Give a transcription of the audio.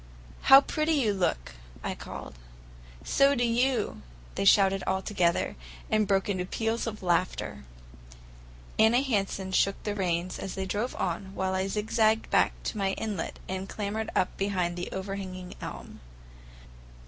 "How pretty you look!" I called. "So do you!" they shouted altogether, and broke into peals of laughter. Anna Hansen shook the reins and they drove on, while I zigzagged back to my inlet and clambered up behind an overhanging elm.